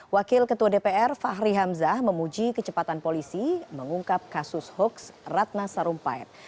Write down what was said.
wakil ketua dpr fahri hamzah memuji kecepatan polisi mengungkap kasus hoaks ratna sarumpait